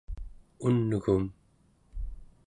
un'gum